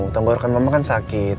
tenggorokan mama kan sakit